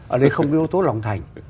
ở đây không có cái ưu tố lòng thành